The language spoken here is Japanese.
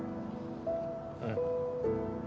うん。